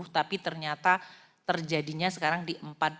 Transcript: tapi ternyata terjadinya sekarang di empat belas tujuh ratus